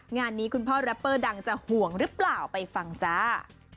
งานนี้คุณพ่อแรปเปอร์ดังจะห่วงหรือเปล่าไปฟังจ้า